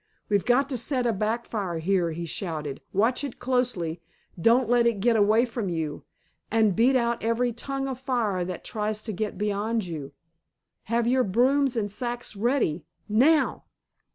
"We've got to set a back fire here," he shouted; "watch it closely, don't let it get away from you, and beat out every tongue of fire that tries to get beyond you. Have your brooms and sacks ready. _Now!